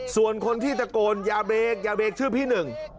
ส่วนคนที่ตะโกนอย่าเบรกอย่าเบรกชื่อพี่หนึ่ง